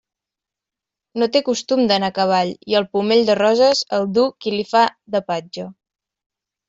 No té costum d'anar a cavall i el pomell de roses el duu qui li fa de patge.